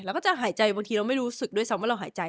แล้วก็จะหายใจบางทีเราไม่รู้สึกด้วยซ้ำว่าเราหายใจ